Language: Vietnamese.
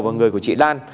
và người của chị lan